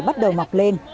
bắt đầu mọc lên